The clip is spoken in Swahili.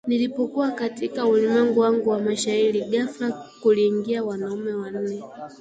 Nilipokuwa katika ulimwengu wangu wa mashairi, ghafla kuliingia wanaume wanne